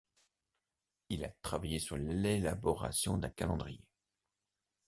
Il a travaillé sur l'élaboration d'un calendrier.